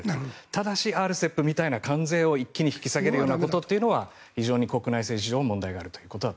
ただしＲＣＥＰのような関税を一気に引き下げるというのは非常に国内政治上問題があると。